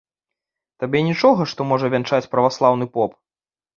Табе нічога, што можа вянчаць праваслаўны поп?